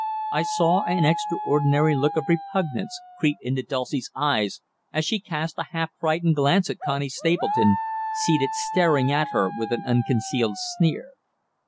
I saw an extraordinary look of repugnance creep into Dulcie's eyes as she cast a half frightened glance at Connie Stapleton, seated staring at her with an unconcealed sneer.